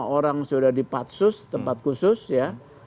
tiga puluh lima orang sudah dipatsus tempat khusus ya